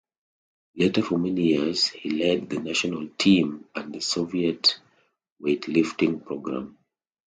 Later for many years he led the national team and the Soviet weightlifting program.